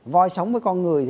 voi sống với con người